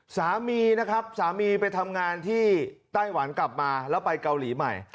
สามีนะครับสามีไปทำงานที่ไต้หวันกลับมาแล้วไปเกาหลีใหม่